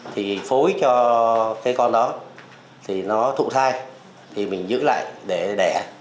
thì phối cho cái con đó thì nó thụ thai thì mình giữ lại để đẻ